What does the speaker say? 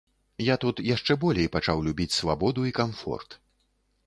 Я тут яшчэ болей пачаў любіць свабоду і камфорт.